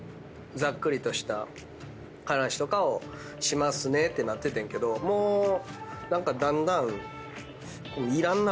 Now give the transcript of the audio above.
ざっくりとした話とかをしますねってなっててんけどもう何かだんだんいらんなこれも。